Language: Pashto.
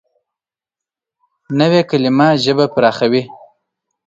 نوې کلیمه ژبه پراخوي